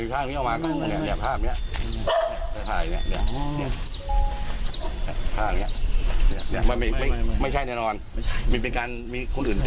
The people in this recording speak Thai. ข้าวสลาย้านหน่อนแน่ไม่มี